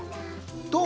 どう？